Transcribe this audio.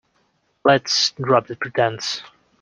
Let’s drop the pretence